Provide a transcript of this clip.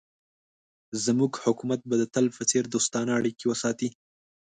زموږ حکومت به د تل په څېر دوستانه اړیکې وساتي.